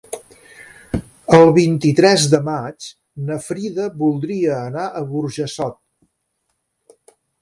El vint-i-tres de maig na Frida voldria anar a Burjassot.